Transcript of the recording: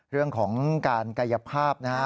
เรื่องของการกายภาพนะฮะ